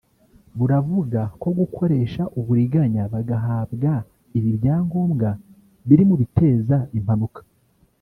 Buravuga ko gukoresha uburiganya bagahabwa ibi byangombwa biri mu biteza impanuka